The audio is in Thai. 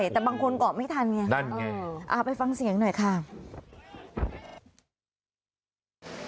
แต่บางคนเกาะไม่ทันไงครับเอ้อไปฟังเสียงหน่อยค่ะนั่นไง